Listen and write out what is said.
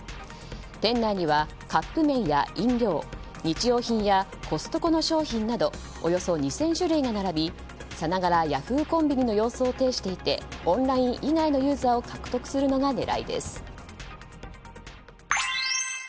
店内にはカップ麺や飲料日用品やコストコの商品などおよそ２０００種類が並びさながらＹａｈｏｏ！コンビニの様相を呈していてオンライン以外のユーザーを獲得するのが狙いです。